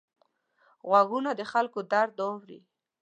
غوږونه د خلکو درد اوري